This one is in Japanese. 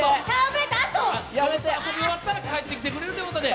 それ終わったら帰ってきてくれるということで。